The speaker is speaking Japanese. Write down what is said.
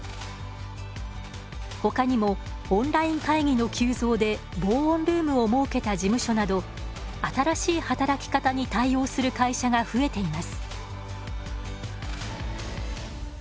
ほかにもオンライン会議の急増で防音ルームを設けた事務所など新しい働き方に対応する会社が増えています。